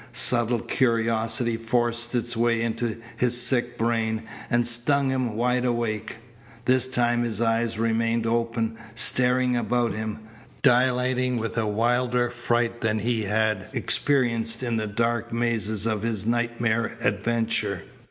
Subtle curiosity forced its way into his sick brain and stung him wide awake. This time his eyes remained open, staring about him, dilating with a wilder fright than he had experienced in the dark mazes of his nightmare adventure.